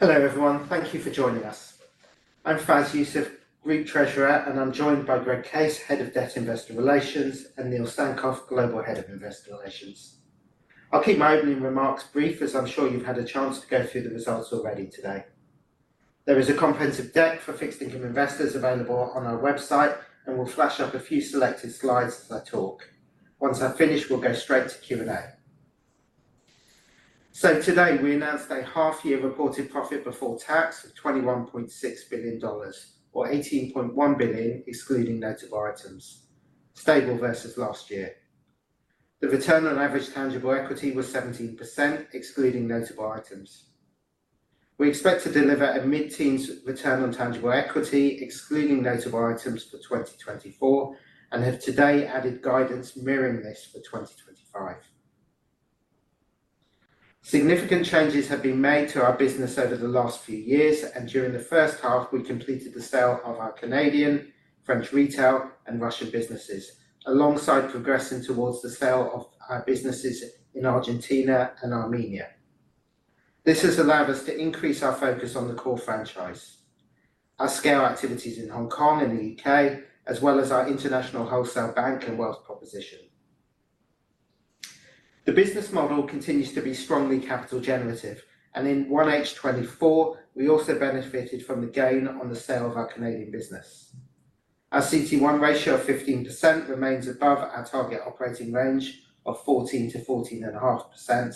Hello, everyone. Thank you for joining us. I'm Faisal Yousaf, Group Treasurer, and I'm joined by Greg Case, Head of Debt Investor Relations, and Neil Sankoff, Global Head of Investor Relations. I'll keep my opening remarks brief, as I'm sure you've had a chance to go through the results already today. There is a comprehensive deck for fixed income investors available on our website, and we'll flash up a few selected slides as I talk. Once I've finished, we'll go straight to Q&A. So today, we announced a half-year reported profit before tax of $21.6 billion, or $18.1 billion, excluding notable items, stable versus last year. The return on average tangible equity was 17%, excluding notable items. We expect to deliver a mid-teens return on tangible equity, excluding notable items for 2024, and have today added guidance mirroring this for 2025. Significant changes have been made to our business over the last few years, and during the first half, we completed the sale of our Canadian, French retail, and Russian businesses, alongside progressing towards the sale of our businesses in Argentina and Armenia. This has allowed us to increase our focus on the core franchise, our scale activities in Hong Kong and the U.K., as well as our international wholesale bank and wealth proposition. The business model continues to be strongly capital generative, and in 1H 2024, we also benefited from the gain on the sale of our Canadian business. Our CET1 ratio of 15% remains above our target operating range of 14% -14.5%,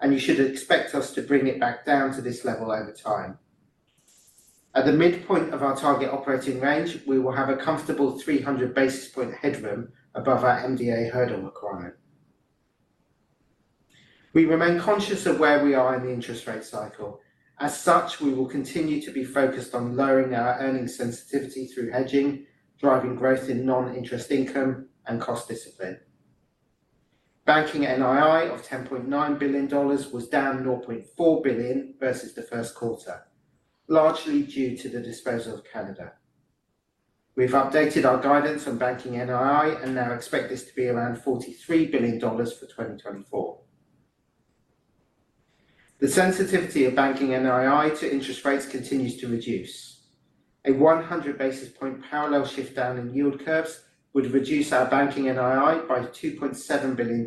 and you should expect us to bring it back down to this level over time. At the midpoint of our target operating range, we will have a comfortable 300 basis point headroom above our MDA hurdle requirement. We remain conscious of where we are in the interest rate cycle. As such, we will continue to be focused on lowering our earning sensitivity through hedging, driving growth in non-interest income, and cost discipline. Banking NII of $10.9 billion was down $0.4 billion versus the first quarter, largely due to the disposal of Canada. We've updated our guidance on banking NII and now expect this to be around $43 billion for 2024. The sensitivity of banking NII to interest rates continues to reduce. A 100 basis point parallel shift down in yield curves would reduce our banking NII by $2.7 billion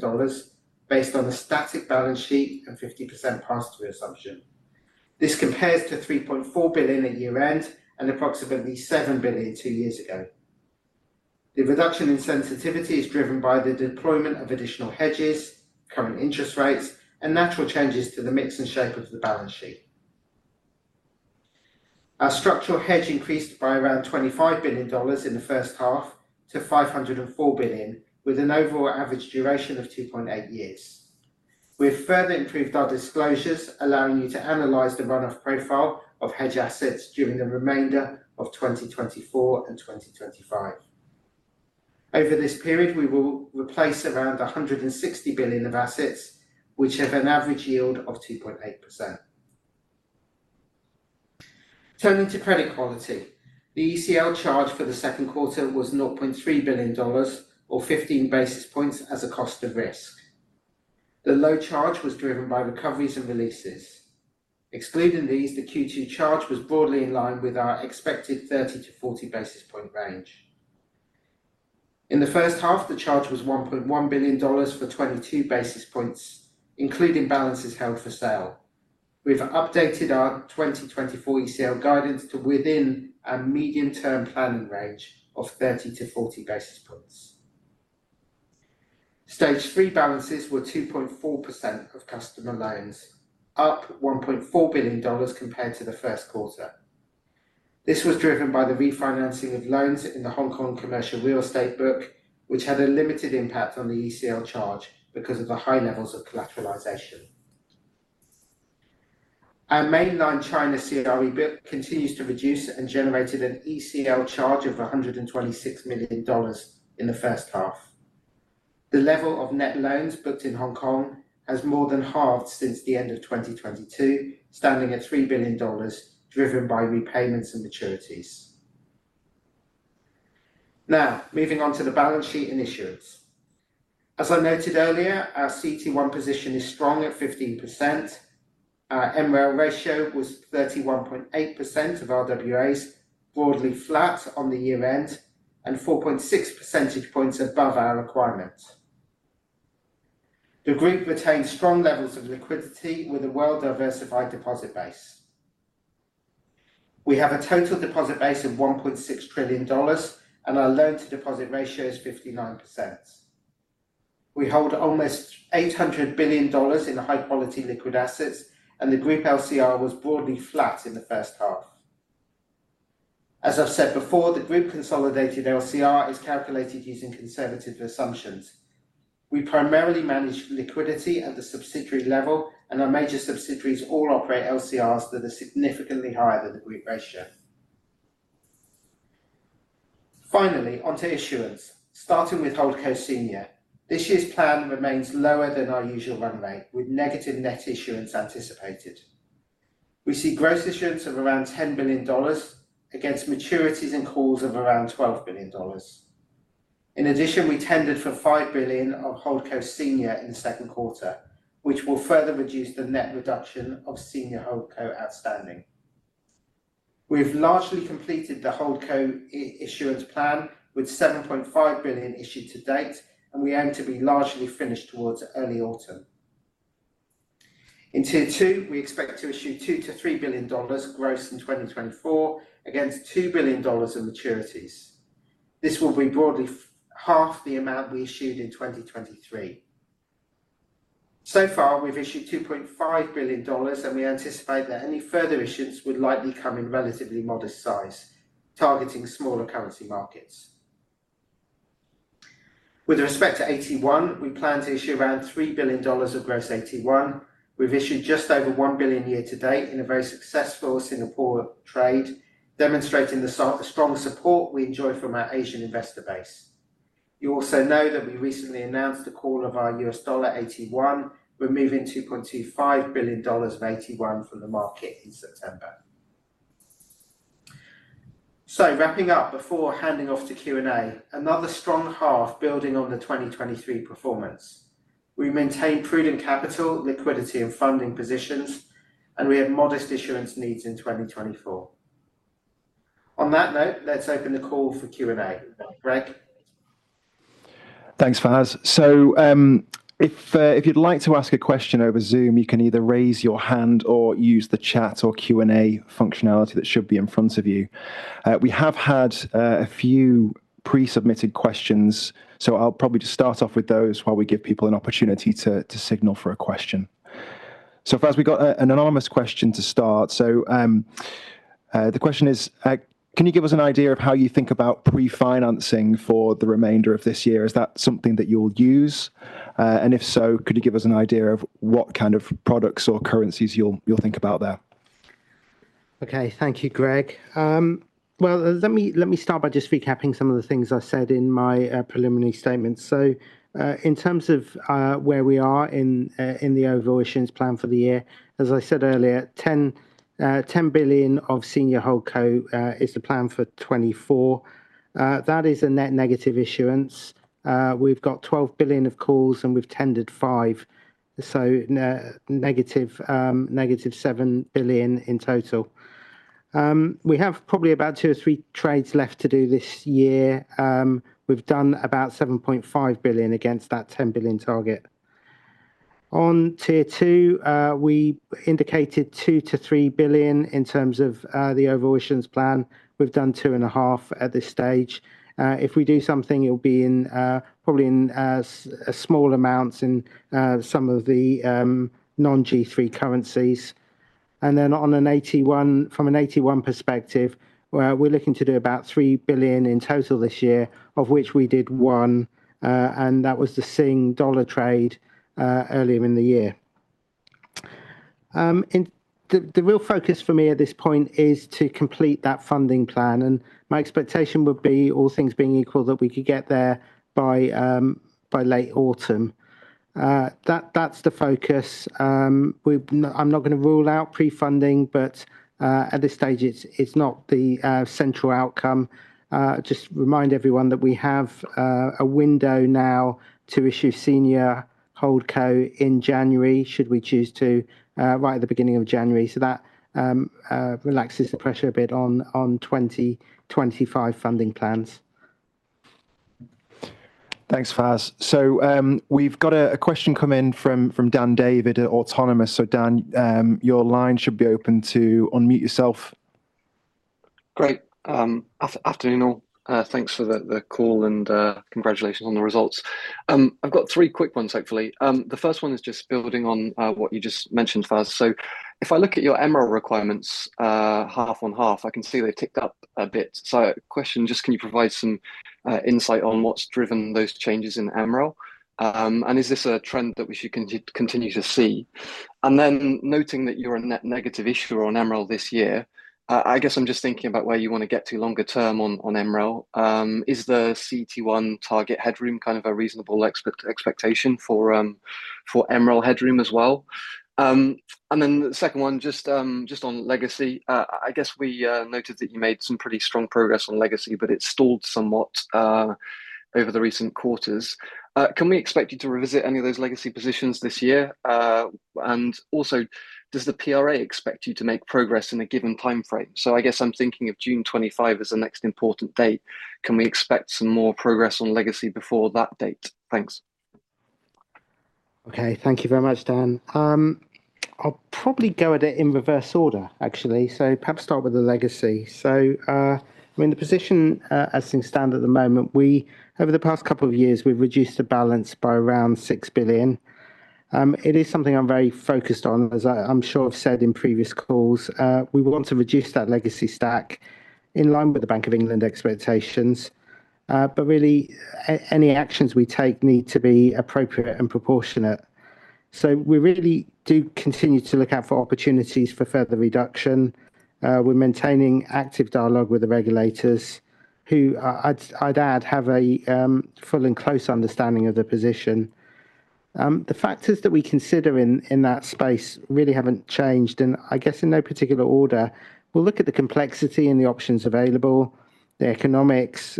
based on a static balance sheet and 50% pass-through assumption. This compares to $3.4 billion at year-end and approximately $7 billion two years ago. The reduction in sensitivity is driven by the deployment of additional hedges, current interest rates, and natural changes to the mix and shape of the balance sheet. Our structural hedge increased by around $25 billion in the first half to $504 billion, with an overall average duration of 2.8 years. We've further improved our disclosures, allowing you to analyze the run-off profile of hedge assets during the remainder of 2024 and 2025. Over this period, we will replace around $160 billion of assets, which have an average yield of 2.8%. Turning to credit quality. The ECL charge for the second quarter was $0.3 billion or 15 basis points as a cost of risk. The low charge was driven by recoveries and releases. Excluding these, the Q2 charge was broadly in line with our expected 30-40 basis point range. In the first half, the charge was $1.1 billion for 22 basis points, including balances held for sale. We've updated our 2024 ECL guidance to within our medium-term planning range of 30-40 basis points. Stage 3 balances were 2.4% of customer loans, up $1.4 billion compared to the first quarter. This was driven by the refinancing of loans in the Hong Kong commercial real estate book, which had a limited impact on the ECL charge because of the high levels of collateralization. Our Mainland China CRE book continues to reduce and generated an ECL charge of $126 million in the first half. The level of net loans booked in Hong Kong has more than halved since the end of 2022, standing at $3 billion, driven by repayments and maturities. Now, moving on to the balance sheet and issuance. As I noted earlier, our CET1 position is strong at 15%. Our MREL ratio was 31.8% of RWAs, broadly flat on the year-end and 4.6 percentage points above our requirement. The group retains strong levels of liquidity with a well-diversified deposit base. We have a total deposit base of $1.6 trillion, and our loan-to-deposit ratio is 59%. We hold almost $800 billion in high-quality liquid assets, and the group LCR was broadly flat in the first half. As I've said before, the group consolidated LCR is calculated using conservative assumptions. We primarily manage liquidity at the subsidiary level, and our major subsidiaries all operate LCRs that are significantly higher than the group ratio. Finally, on to issuance, starting with Holdco Senior. This year's plan remains lower than our usual run rate, with negative net issuance anticipated. We see gross issuance of around $10 billion against maturities and calls of around $12 billion.... In addition, we tendered for $5 billion of Holdco Senior in the second quarter, which will further reduce the net reduction of Senior Holdco outstanding. We've largely completed the Holdco issuance plan, with $7.5 billion issued to date, and we aim to be largely finished towards early autumn. In Tier 2, we expect to issue $2 billion-$3 billion gross in 2024, against $2 billion in maturities. This will be broadly half the amount we issued in 2023. So far, we've issued $2.5 billion, and we anticipate that any further issuance would likely come in relatively modest size, targeting smaller currency markets. With respect to AT1, we plan to issue around $3 billion of gross AT1. We've issued just over $1 billion year to date in a very successful Singapore trade, demonstrating the strong support we enjoy from our Asian investor base. You also know that we recently announced the call of our U.S. dollar AT1. We're moving $2.25 billion of AT1 from the market in September. So wrapping up before handing off to Q&A, another strong half building on the 2023 performance. We've maintained prudent capital, liquidity, and funding positions, and we have modest issuance needs in 2024. On that note, let's open the call for Q&A. Greg? Thanks, Fas. So, if you'd like to ask a question over Zoom, you can either raise your hand or use the chat or Q&A functionality that should be in front of you. We have had a few pre-submitted questions, so I'll probably just start off with those while we give people an opportunity to signal for a question. So Fas, we got an anonymous question to start. So, the question is, "Can you give us an idea of how you think about pre-financing for the remainder of this year? Is that something that you'll use? And if so, could you give us an idea of what kind of products or currencies you'll think about there? Okay. Thank you, Greg. Well, let me start by just recapping some of the things I said in my preliminary statement. In terms of where we are in the overall issuance plan for the year, as I said earlier, $10 billion of Senior Holdco is the plan for 2024. That is a net negative issuance. We've got $12 billion of calls, and we've tendered $5 billion, so -$7 billion in total. We have probably about two or three trades left to do this year. We've done about $7.5 billion against that $10 billion target. On Tier 2, we indicated $2 billion-$3 billion in terms of the overall issuance plan. We've done $2.5 billion at this stage. If we do something, it'll be in probably in small amounts in some of the non-G3 currencies. Then on an AT1 from an AT1 perspective, well, we're looking to do about $3 billion in total this year, of which we did 1 billion, and that was the Singapore dollar trade earlier in the year. And the real focus for me at this point is to complete that funding plan, and my expectation would be, all things being equal, that we could get there by late autumn. That's the focus. I'm not going to rule out pre-funding, but at this stage, it's not the central outcome. Just remind everyone that we have a window now to issue Senior Holdco in January, should we choose to, right at the beginning of January, so that relaxes the pressure a bit on 2025 funding plans. Thanks, Fas. So, we've got a question come in from Dan David at Autonomous. So Dan, your line should be open to unmute yourself. Great. Afternoon, all. Thanks for the call and congratulations on the results. I've got three quick ones, hopefully. The first one is just building on what you just mentioned, Fais. So if I look at your MREL requirements, half on half, I can see they've ticked up a bit. So, question, just can you provide some insight on what's driven those changes in MREL? And is this a trend that we should continue to see? And then noting that you're a net negative issuer on MREL this year, I guess I'm just thinking about where you want to get to longer term on MREL. Is the CET1 target headroom kind of a reasonable expectation for MREL headroom as well? And then the second one, just on legacy, I guess we noted that you made some pretty strong progress on legacy, but it stalled somewhat over the recent quarters. Can we expect you to revisit any of those legacy positions this year? And also, does the PRA expect you to make progress in a given timeframe? So I guess I'm thinking of June 2025 as the next important date. Can we expect some more progress on legacy before that date? Thanks. Okay. Thank you very much, Dan. I'll probably go at it in reverse order, actually. So perhaps start with the legacy. So, I mean, the position, as things stand at the moment, we... over the past couple of years, we've reduced the balance by around $6 billion. It is something I'm very focused on, as I, I'm sure I've said in previous calls. We want to reduce that legacy stack in line with the Bank of England expectations. But really, any actions we take need to be appropriate and proportionate. So we really do continue to look out for opportunities for further reduction. We're maintaining active dialogue with the regulators, who, I'd, I'd add, have a full and close understanding of the position. The factors that we consider in that space really haven't changed, and I guess in no particular order, we'll look at the complexity and the options available, the economics,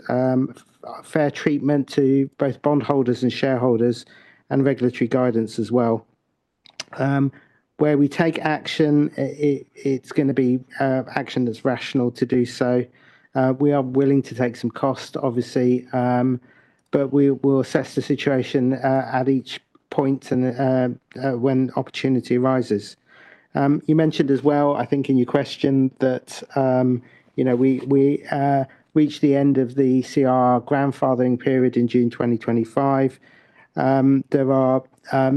fair treatment to both bondholders and shareholders, and regulatory guidance as well. Where we take action, it's going to be action that's rational to do so. We are willing to take some cost, obviously, but we will assess the situation at each point and when opportunity arises. You mentioned as well, I think in your question, that you know, we reached the end of the CRR grandfathering period in June 2025. There are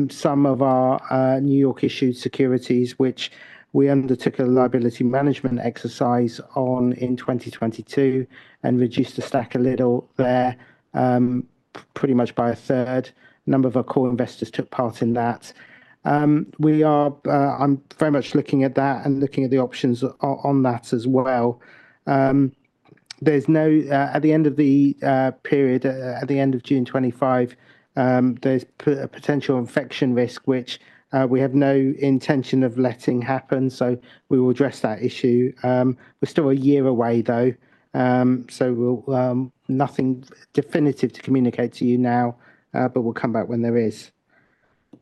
some of our New York issued securities, which we undertook a liability management exercise on in 2022 and reduced the stack a little there, pretty much by a third. A number of our core investors took part in that. We are, I'm very much looking at that and looking at the options on that as well. There's no... At the end of the period, at the end of June 2025, there's a potential infection risk, which we have no intention of letting happen, so we will address that issue. We're still a year away, though, so we'll, nothing definitive to communicate to you now, but we'll come back when there is.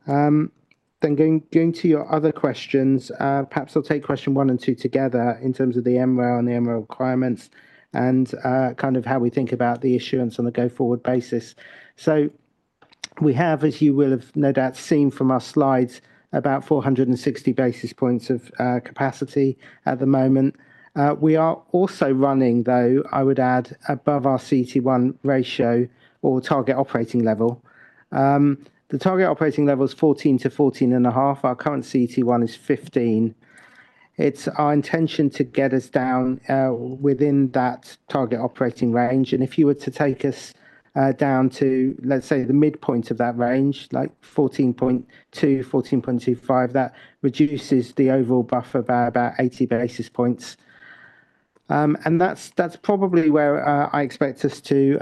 Then going to your other questions, perhaps I'll take question one and two together in terms of the MREL and the MREL requirements and kind of how we think about the issuance on a go-forward basis. So we have, as you will have no doubt seen from our slides, about 460 basis points of capacity at the moment. We are also running, though, I would add, above our CET1 ratio or target operating level. The target operating level is 14-14.5. Our current CET1 is 15. It's our intention to get us down within that target operating range, and if you were to take us down to, let's say, the midpoint of that range, like 14.2, 14.25, that reduces the overall buffer by about 80 basis points. And that's probably where I expect us to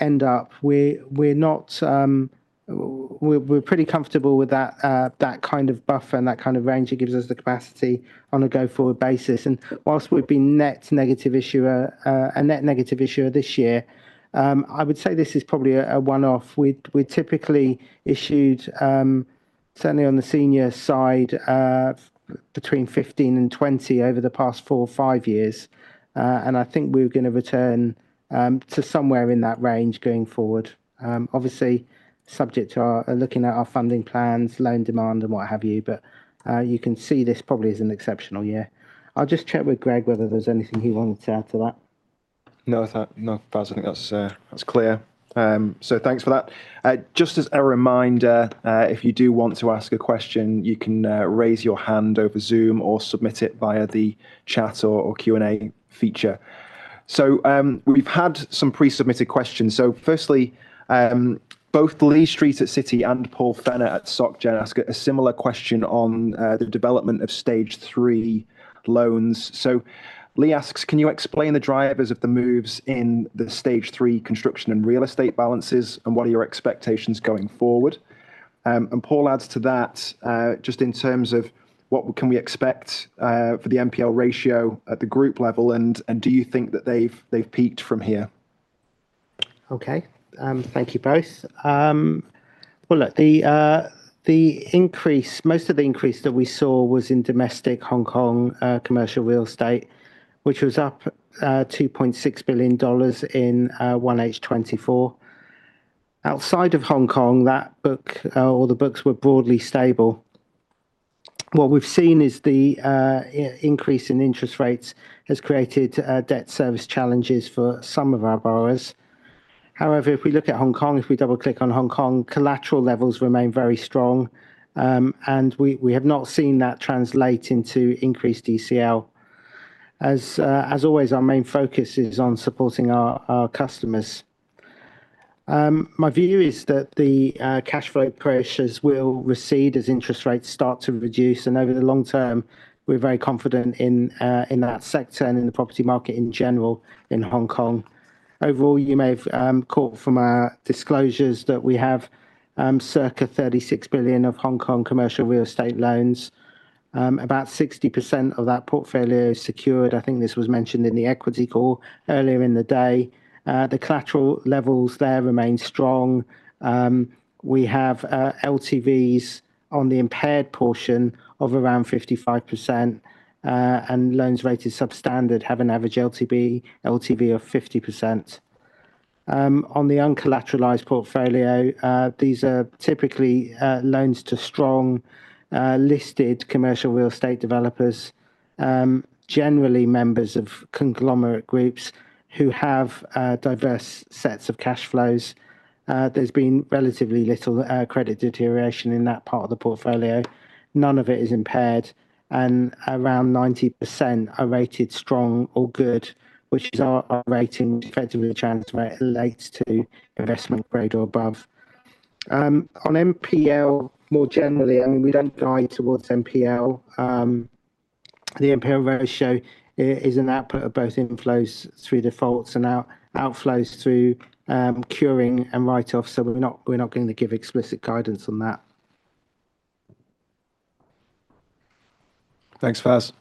end up. We're not... We're pretty comfortable with that kind of buffer and that kind of range. It gives us the capacity on a go-forward basis. And whilst we've been net negative issuer, a net negative issuer this year, I would say this is probably a one-off. We'd typically issued, certainly on the senior side, between 15 and 20 over the past four or five years, and I think we're going to return to somewhere in that range going forward. Obviously, subject to our looking at our funding plans, loan demand, and what have you, but you can see this probably as an exceptional year. I'll just check with Greg whether there's anything he wanted to add to that. No, I thought... No, Fas, I think that's, that's clear. So thanks for that. Just as a reminder, if you do want to ask a question, you can raise your hand over Zoom or submit it via the chat or Q&A feature. So, we've had some pre-submitted questions. So firstly, both Lee Street at Citi and Paul Fenner-Leitao at Soc Gen ask a similar question on the development of Stage 3 loans. So Lee asks, "Can you explain the drivers of the moves in the Stage 3 construction and real estate balances, and what are your expectations going forward?" And Paul adds to that, just in terms of: "What can we expect for the NPL ratio at the group level, and do you think that they've peaked from here? Okay, thank you both. Well, look, the increase, most of the increase that we saw was in domestic Hong Kong commercial real estate, which was up $2.6 billion in 1H 2024. Outside of Hong Kong, that book or the books were broadly stable. What we've seen is the increase in interest rates has created debt service challenges for some of our borrowers. However, if we look at Hong Kong, if we double-click on Hong Kong, collateral levels remain very strong, and we have not seen that translate into increased ECL. As always, our main focus ison supporting our customers. My view is that the cash flow pressures will recede as interest rates start to reduce, and over the long term, we're very confident in that sector and in the property market in general in Hong Kong. Overall, you may have caught from our disclosures that we have circa $36 billion of Hong Kong commercial real estate loans. About 60% of that portfolio is secured. I think this was mentioned in the equity call earlier in the day. The collateral levels there remain strong. We have LTVs on the impaired portion of around 55%, and loans rated substandard have an average LTV of 50%. On the uncollateralized portfolio, these are typically loans to strong listed commercial real estate developers, generally members of conglomerate groups who have diverse sets of cash flows. There's been relatively little credit deterioration in that part of the portfolio. None of it is impaired, and around 90% are rated strong or good, which is our rating comparable to the transfer relates to investment grade or above. On NPL, more generally, I mean, we don't guide towards NPL. The NPL ratio is an output of both inflows through defaults and outflows through curing and write-offs, so we're not going to give explicit guidance on that. Thanks, Fas.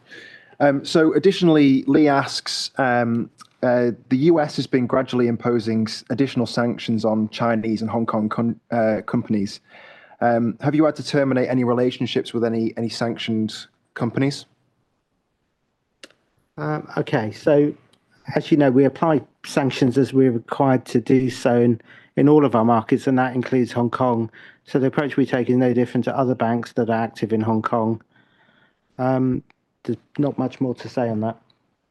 So additionally, Lee asks, "The U.S. has been gradually imposing additional sanctions on Chinese and Hong Kong companies. Have you had to terminate any relationships with any sanctioned companies? Okay, so as you know, we apply sanctions as we're required to do so in all of our markets, and that includes Hong Kong. The approach we take is no different to other banks that are active in Hong Kong. There's not much more to say on that.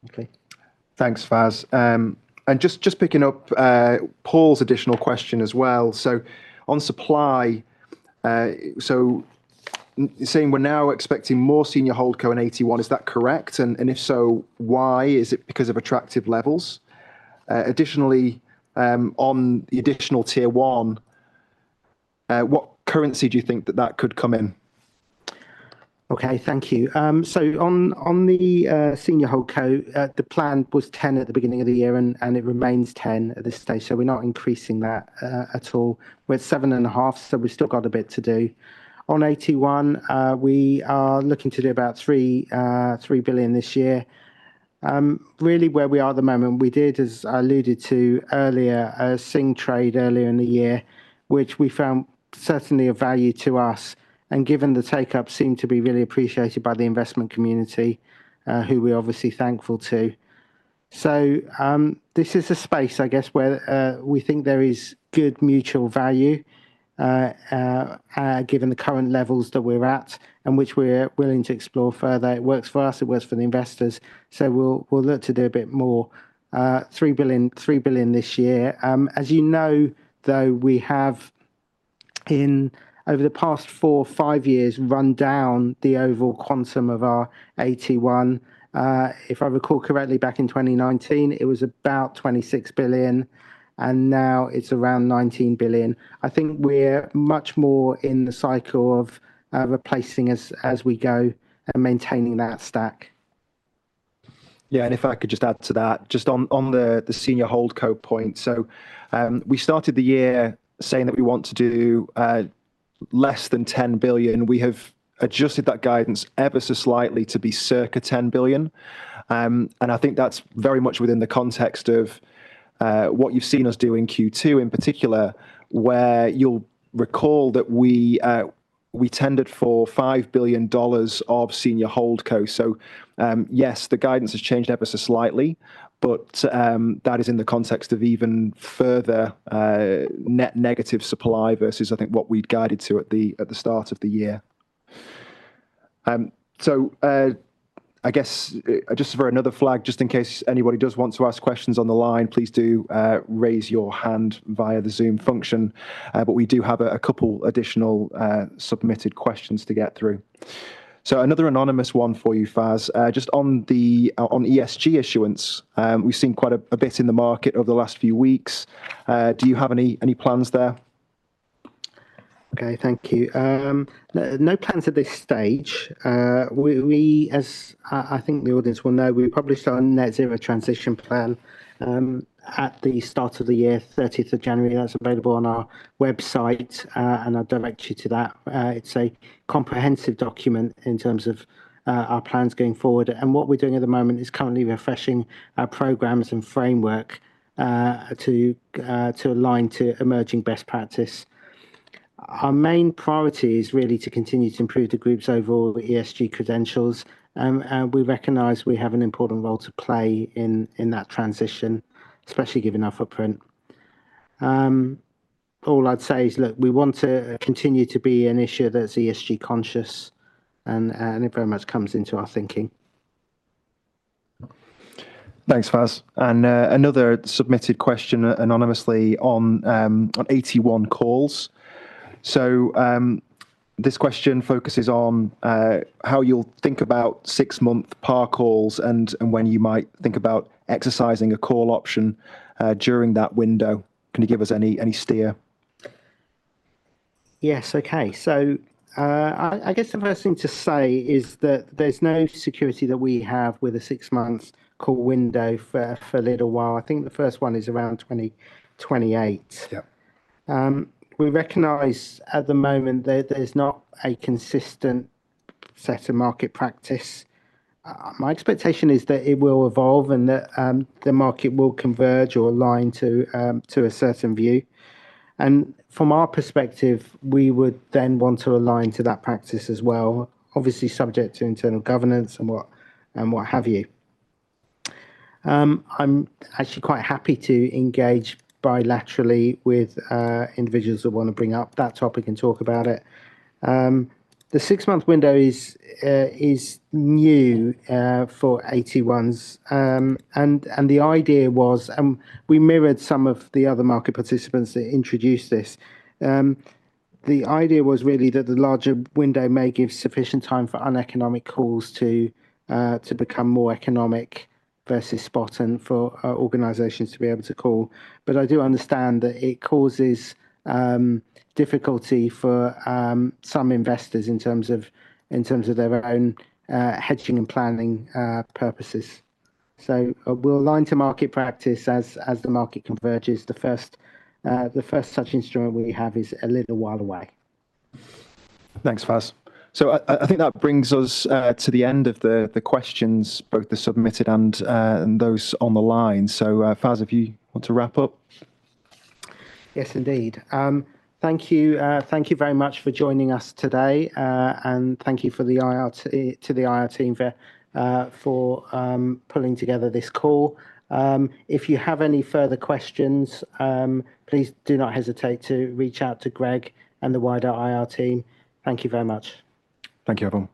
Okay. Thanks, Fas, And just picking up Paul's additional question as well. So on supply, saying we're now expecting more senior holdco in AT1, is that correct? And if so, why? Is it because of attractive levels? Additionally, on the additional Tier 1, what currency do you think that could come in? Okay, thank you. So on the senior holdco, the plan was $10 billion at the beginning of the year, and it remains $10 billion at this stage, so we're not increasing that at all. We're at $7.5 billion, so we've still got a bit to do. On AT1, we are looking to do about $3 billion this year. Really, where we are at the moment, we did, as I alluded to earlier, a Singapore trade earlier in the year, which we found certainly of value to us, and given the take-up, seemed to be really appreciated by the investment community, who we're obviously thankful to. So, this is a space, I guess, where we think there is good mutual value, given the current levels that we're at, and which we're willing to explore further. It works for us, it works for the investors, so we'll, we'll look to do a bit more, $3 billion, $3 billion this year. As you know, though, we have, in over the past four, five years, run down the overall quantum of our AT1. If I recall correctly, back in 2019, it was about $26 billion, and now it's around $19 billion. I think we're much more in the cycle of, replacing as, as we go and maintaining that stack. Yeah, and if I could just add to that, just on the senior holdco point. So, we started the year saying that we want to do less than $10 billion. We have adjusted that guidance ever so slightly to be circa $10 billion. And I think that's very much within the context of what you've seen us do in Q2, in particular, where you'll recall that we tendered for $5 billion of senior holdco. So, yes, the guidance has changed ever so slightly, but that is in the context of even further net negative supply versus, I think, what we'd guided to at the start of the year. So, I guess, just for another flag, just in case anybody does want to ask questions on the line, please do raise your hand via the Zoom function. But we do have a couple additional submitted questions to get through. So another anonymous one for you, Fas. Just on ESG issuance, we've seen quite a bit in the market over the last few weeks. Do you have any plans there? Okay, thank you. No plans at this stage. We, as I think the audience will know, we published our Net Zero Transition Plan at the start of the year, 30th of January. That's available on our website, and I'd direct you to that. It's a comprehensive document in terms of our plans going forward, and what we're doing at the moment is currently refreshing our programs and framework to align to emerging best practice. Our main priority is really to continue to improve the group's overall ESG credentials. And we recognize we have an important role to play in that transition, especially given our footprint. All I'd say is, look, we want to continue to be an issuer that's ESG conscious, and it very much comes into our thinking. Thanks, Fas. And another submitted question anonymously on AT1 calls. So this question focuses on how you'll think about six-month par calls and when you might think about exercising a call option during that window. Can you give us any steer? Yes, okay. So, I guess the first thing to say is that there's no security that we have with a six-month call window for a little while. I think the first one is around 2028. Yep. We recognize at the moment that there's not a consistent set of market practice. My expectation is that it will evolve and that the market will converge or align to a certain view. From our perspective, we would then want to align to that practice as well, obviously subject to internal governance and what have you. I'm actually quite happy to engage bilaterally with individuals that want to bring up that topic and talk about it. The six-month window is new for AT1s. We mirrored some of the other market participants that introduced this. The idea was really that the larger window may give sufficient time for uneconomic calls to become more economic versus spot and for organizations to be able to call. But I do understand that it causes difficulty for some investors in terms of, in terms of their own hedging and planning purposes. So, we'll align to market practice as, as the market converges. The first such instrument we have is a little while away. Thanks, Fas. So I think that brings us to the end of the questions, both the submitted and those on the line. So, Fas, if you want to wrap up? Yes, indeed. Thank you. Thank you very much for joining us today, and thank you to the IR team for pulling together this call. If you have any further questions, please do not hesitate to reach out to Greg and the wider IR team. Thank you very much. Thank you, everyone.